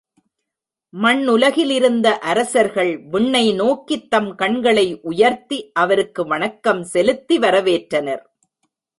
மண்ணுலகிலிருந்த அரசர்கள் விண்ணை நோக்கித் தம் கண்களை உயர்த்தி அவருக்கு வணக்கம் செலுத்தி வரவேற்றனர்.